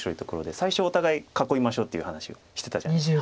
最初「お互い囲いましょう」という話をしてたじゃないですか。